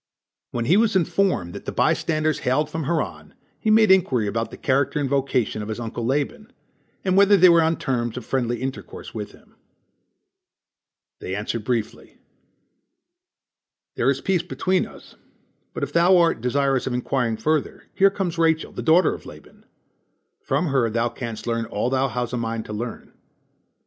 When he was informed that the by standers hailed from Haran, he made inquiry about the character and vocation of his uncle Laban, and whether they were on terms of friendly intercourse with him. They answered briefly: "There is peace between us, but if thou art desirous of inquiring further, here comes Rachel the daughter of Laban. From her thou canst learn all thou hast a mind to learn."